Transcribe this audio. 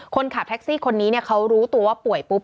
คนขับแท็กซี่คนนี้เขารู้ตัวว่าป่วยปุ๊บ